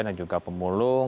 dan juga pemulung